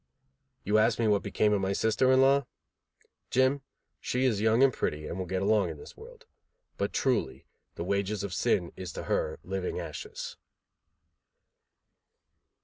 _' You ask me what became of my sister in law? Jim, she is young and pretty, and will get along in this world. But, truly, the wages of sin is to her Living Ashes."